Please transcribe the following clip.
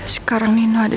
sekarang nino ada